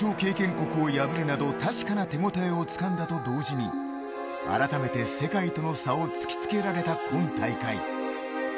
国を破るなど確かな手ごたえをつかんだと同時にあらためて世界との差を突き付けられた今大会。